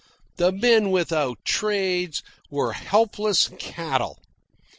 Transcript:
The men without trades were helpless cattle.